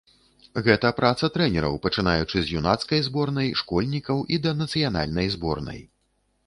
Гэта праца трэнераў, пачынаючы з юнацкай зборнай, школьнікаў і да нацыянальнай зборнай.